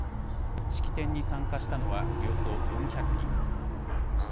式典に参加したのはおよそ４００人。